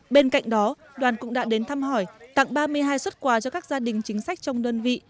bên cạnh đó đoàn cũng đã đến thăm hỏi tặng ba mươi hai xuất quà cho các gia đình chính sách trong đơn vị